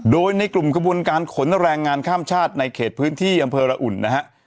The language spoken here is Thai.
โดยในกลุ่มกระบวนการขนแรงงานข้ามชาติในเขตพื้นที่อำเภอระอุ่นนะฮะ